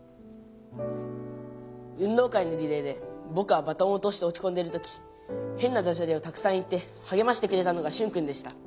「運動会のリレーでぼくはバトンをおとしておちこんでる時へんなダジャレをたくさん言ってはげましてくれたのがシュンくんでした。